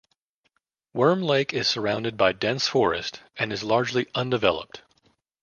Worm Lake is surrounded by dense forest and is largely undeveloped.